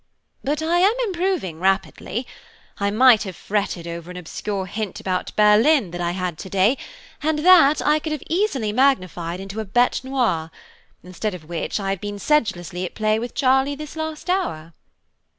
"But I am improving rapidly: I might have fretted over an obscure hint about Berlin that I had to day, and that I could easily have magnified into a bête noire. Instead of which I have been sedulously at play with Charlie this last hour."